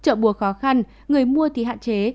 trợ bua khó khăn người mua thì hạn chế